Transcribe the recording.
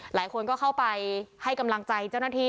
หลายคนก็เข้าไปให้กำลังใจเจ้าหน้าที่